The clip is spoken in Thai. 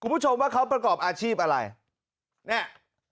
คุณผู้ชมว่าเขาประกอบอาชีพอะไรเนี่ย